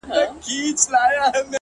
o زه نه كړم گيله اشــــــــــــنا،